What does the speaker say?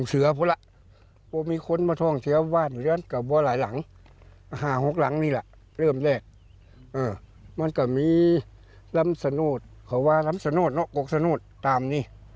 เออไขมะต้องกระชิบไม่ได้เห็นนั้นก็ไม่ได้